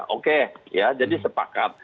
oke ya jadi sepakat